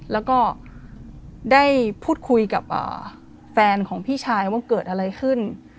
แล้วก็ได้พูดคุยกับแฟนของพี่ชายว่าเกิดอะไรขึ้น